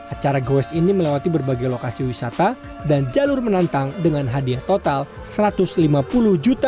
acara goes ini melewati berbagai lokasi wisata dan jalur menantang dengan hadiah total rp satu ratus lima puluh juta